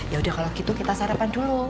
yaudah kalau gitu kita sarapan dulu